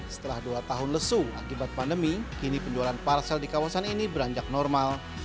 setelah dua tahun lesu akibat pandemi kini penjualan parsel di kawasan ini beranjak normal